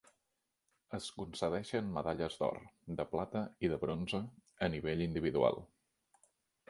Es concedeixen medalles d'or, de plata i de bronze a nivell individual.